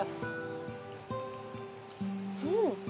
うん！